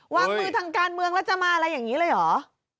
วางมือทางการเมืองแล้วจะมาอะไรอย่างนี้เลยเหรอ